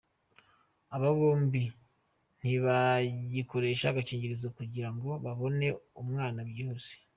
Aba bombi ntibagikoresha agakingirizo kugira ngo babone umwana byihuse.